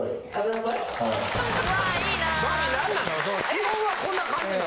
基本はこんな感じなの？